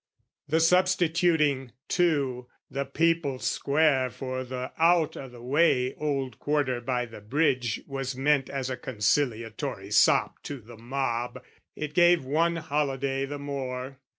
"The substituting, too, the People's Square "For the out o' the way old quarter by the Bridge, "Was meant as a conciliatory sop "To the mob; it gave one holiday the more.